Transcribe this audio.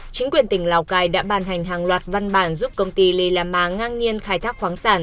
chính quyền tỉnh lào cai đã bàn hành hàng loạt văn bản giúp công ty lilama ngang nhiên khai thác khoáng sản